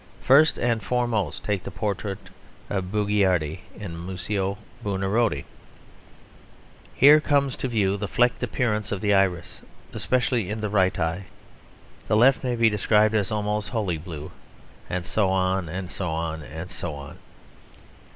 First and foremost take the portrait of Bugiardini in Museo Buonarotti. Here comes to view the 'flecked' appearance of the iris, especially in the right eye. The left may be described as almost wholly blue." And so on, and so on, and so on.